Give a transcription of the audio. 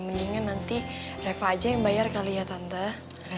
mendingan nanti reva aja yang bayar kali ya tante